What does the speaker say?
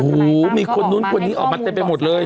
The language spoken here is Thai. อู้มีคนนุ้นนี่ออกมาเต็มไปหมดเลย